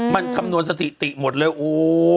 มันคำนวณสถิติหมดเลยโอ้